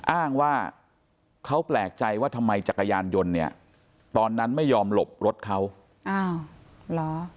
อ้างว่าเขาแปลกใจว่าทำไมจักรยานยนต์เนี่ยตอนนั้นไม่ยอมหลบรถเขาอ้าวเหรอ